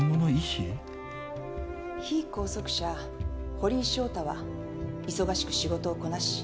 堀井翔太は忙しく仕事をこなし